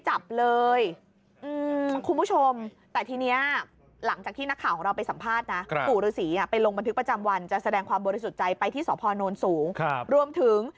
จะต้องเปิดขุนทรัพย์จับอวัยวะเพศตัวเอง